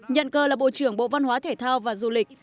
nhận cờ là bộ trưởng bộ văn hóa thể thao và du lịch